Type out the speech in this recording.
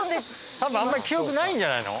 たぶんあんまり記憶ないんじゃないの？